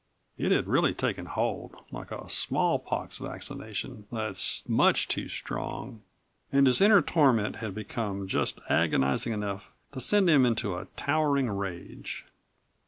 It had really taken hold, like a smallpox vaccination that's much too strong, and his inner torment had become just agonizing enough to send him into a towering rage.